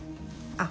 あっ。